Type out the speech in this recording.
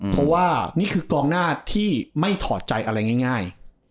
เพราะว่านี่คือกองหน้าที่ไม่ถอดใจอะไรง่าย